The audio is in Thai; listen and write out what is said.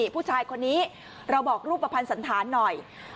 ผู้ชายคนนี้เราบอกรูปประพันธ์สันฐานหน่อย